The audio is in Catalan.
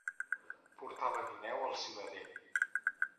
Portar la guineu al civader.